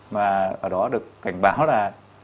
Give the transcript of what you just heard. mà ở đó được cảnh báo là